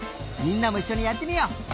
みんなもいっしょにやってみよう！